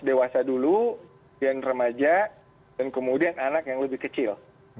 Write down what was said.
dewasa dulu kemudian remaja dan kemudian anak yang lebih kecil